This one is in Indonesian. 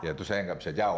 ya itu saya tidak bisa jawab